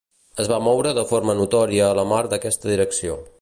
Es va moure de forma notòria la mar d'aquesta direcció.